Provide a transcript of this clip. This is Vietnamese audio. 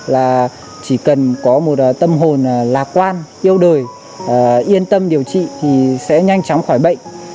là chỉ cần có một tâm hồn lạc quan yêu đời yên tâm điều trị thì sẽ nhanh chóng khỏi bệnh